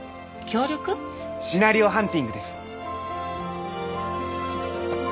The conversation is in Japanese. シナリオハンティングです。